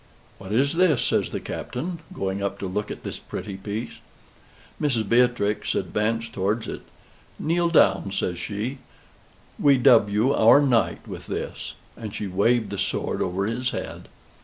"What is this?" says the Captain, going up to look at this pretty piece. Mrs. Beatrix advanced towards it. "Kneel down," says she: "we dub you our knight with this" and she waved the sword over his head.